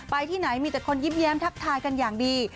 ที่ไหนมีแต่คนยิ้มแย้มทักทายกันอย่างดี